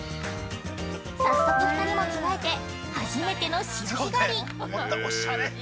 早速２人も着替えて初めての潮干狩り。